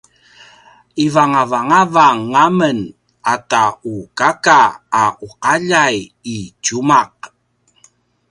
ivangavang a men ata u kaka a uqaljaqaljai i tjumaq